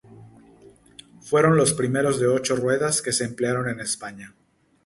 Fueron los primeros de ocho ruedas que se emplearon en España.